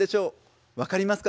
分かりますか？